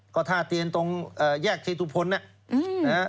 ก็ท่าเตียนตรงแยกเทศุพรนฯนะฮะ